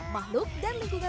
makhluk dan lingkungan